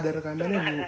ada rekamannya ibu